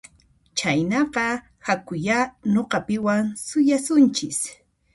Chaynaqa hakuyá nuqapiwan suyasunchis